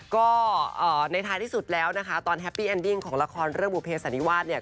ก็ในท้ายที่สุดแล้วนะคะตอนแฮปปี้แอนดิ้งของละครเรื่องบุเภสันนิวาสเนี่ย